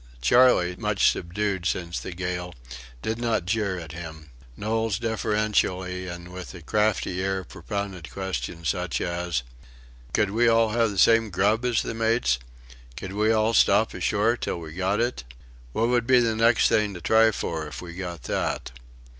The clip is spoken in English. Charley, much subdued since the gale, did not jeer at him. Knowles deferentially and with a crafty air propounded questions such as: "Could we all have the same grub as the mates? Could we all stop ashore till we got it? What would be the next thing to try for if we got that?"